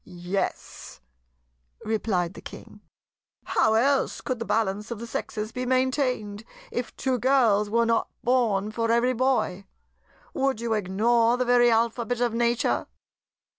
yes," replied the King. "How else could the balance of the Sexes be maintained, if two girls were not born for every boy? Would you ignore the very Alphabet of Nature?"